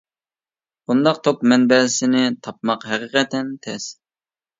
بۇنداق توك مەنبەسىنى تاپماق ھەقىقەتەن تەس.